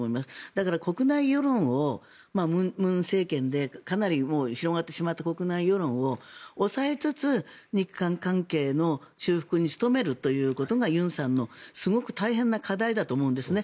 だから国内世論を文政権でかなり広がってしまった国内世論を抑えつつ、日韓関係の修復に努めるということが尹さんのすごく大変な課題だと思うんですね。